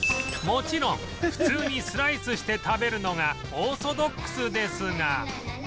もちろん普通にスライスして食べるのがオーソドックスですが